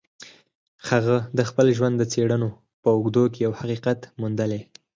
هغه د خپل ژوند د څېړنو په اوږدو کې يو حقيقت موندلی.